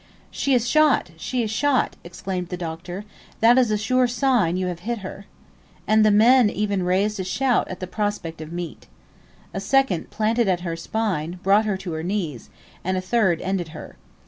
"She is shot! she is shot!" exclaimed the Doctor; "that is a sure sign you have hit her." And the men even raised a shout at the prospect of meat. A second, planted in her spine, brought her to her knees, and a third ended her.